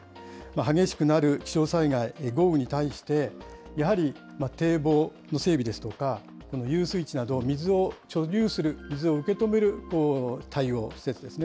激しくなる気象災害、豪雨に対して、やはり堤防の整備ですとか、この遊水地など、水を貯留する、水を受け止める対応、施設ですね。